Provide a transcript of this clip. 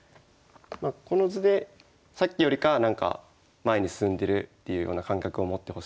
この図でさっきよりかは前に進んでるっていうような感覚を持ってほしいんですよ。